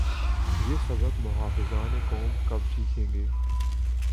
یہ سبق محافظان قوم کب سیکھیں گے؟